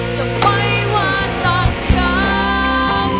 จะไม่ว่าสักครั้ง